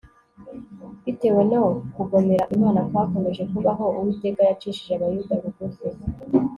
bitewe no kugomera imana kwakomeje kubaho uwiteka yacishije abayuda bugufi